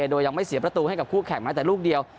โดยยังไม่เสียประตูให้กับคู่แข่งแม้แต่ลูกเดียว